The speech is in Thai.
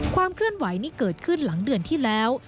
ความเคลื่อนไหวนี่เกิดขึ้นหลังเดือนที่แล้ว